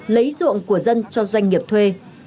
lấy ruộng của dân cho doanh nghiệp thuê